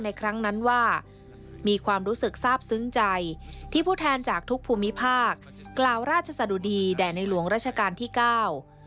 ครั้งนั้นว่ามีความรู้สึกทราบซึ้งใจที่ผู้แทนจากทุกภูมิภาคกล่าวราชสะดุดีแด่ในหลวงราชการที่เก้า